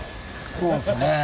そうですね。